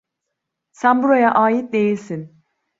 Sen buraya ait değilsin.